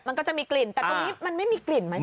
มันก็จะมีกลิ่นแต่ตรงนี้มันไม่มีกลิ่นไหม